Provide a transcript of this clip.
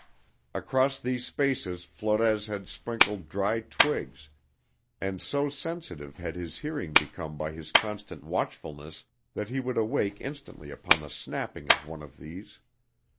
Across these spaces Flores had sprinkled dry twigs and so sensitive had his hearing become by his constant watchfulness that he would awake instantly upon the snapping of one of these.